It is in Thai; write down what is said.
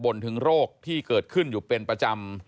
ถึงโรคที่เกิดขึ้นอยู่เป็นประจำ